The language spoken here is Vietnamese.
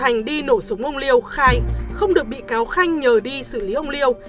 nổ súng ông liêu khai không được bị cáo khanh nhờ đi xử lý ông liêu